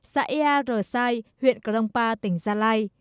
xã ea rờ sai huyện cronpa tỉnh gia lai